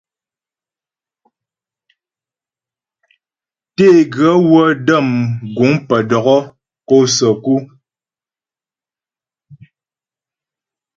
Teguə wə́ dəm guŋ pə́ dɔkɔ́ kɔ səku.